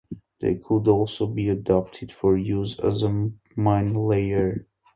They could also be adapted for use as a minelayer.